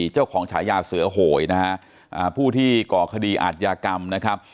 เจ้าของฉายาเสือโหยนะฮะอ่าผู้ที่ก่อคดีอาจยากรรมนะครับ